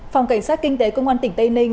phòng cảnh sát kinh tế công an tỉnh tây ninh